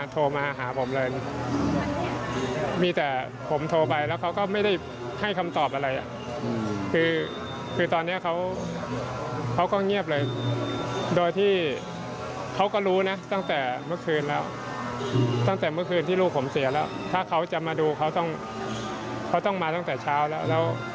ถ้าเขาจะมาดูเขาต้องมาตั้งแต่เช้าแล้ว